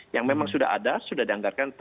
yang memang sudah ada sudah dianggarkan